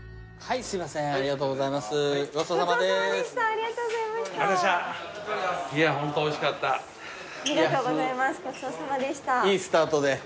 いいスタートで。